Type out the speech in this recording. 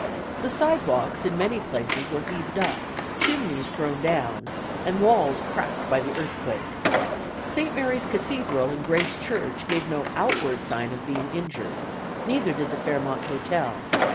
The sidewalks in many places were heaved up, chimneys thrown down, and walls cracked by the earthquake. St. Mary's Cathedral and Grace Church gave no outward sign of being injured; neither did the Fairmont Hotel.